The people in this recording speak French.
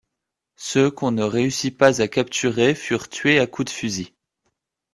Ceux qu’on ne réussit pas à capturer furent tués à coup de fusil.